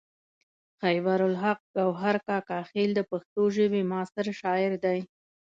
خیبر الحق ګوهر کاکا خیل د پښتو ژبې معاصر شاعر دی.